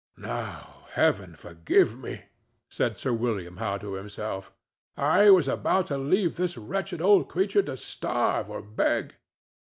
"Now, Heaven forgive me!" said Sir William Howe to himself. "I was about to leave this wretched old creature to starve or beg.